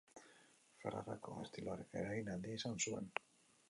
Ferrarako estiloaren eragin handia izan zuen.